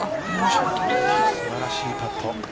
素晴らしいパット。